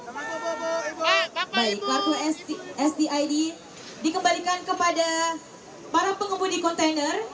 baik kartu sdid dikembalikan kepada para pengemudi kontainer